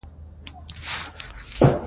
زما په میو خیرنې وريژې خوښیږي.